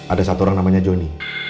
ada satu orang namanya joni